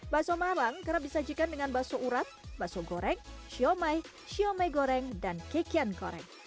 bakso malang kerap disajikan dengan bakso urat bakso goreng siomay siomay goreng dan kekian goreng